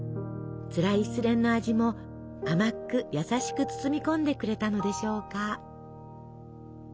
つらい失恋の味も甘く優しく包み込んでくれたのでしょうか。